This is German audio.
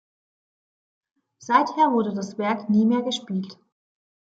Seither wurde das Werk nie mehr gespielt.